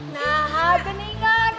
nah ada nih kan